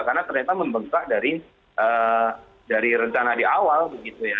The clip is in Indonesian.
karena ternyata membengkak dari rencana di awal begitu ya